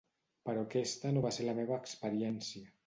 Però aquesta no va ser la meva experiència.